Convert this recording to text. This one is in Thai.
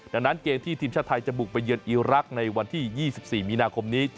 ดังนั้นเกมที่ทีมชาติไทยจะบุกไปเยือนอีรักษ์ในวันที่๒๔มีนาคมนี้